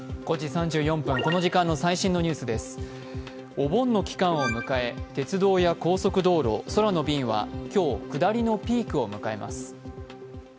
お盆の期間を迎え、鉄道や高速道路、空の便は今日、下りのピークを迎えます。